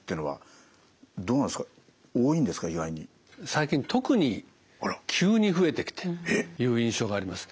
最近特に急に増えてきていう印象があります。